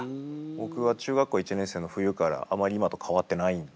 僕は中学校１年生の冬からあまり今と変わってないんですけど。